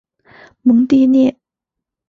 蒙蒂涅。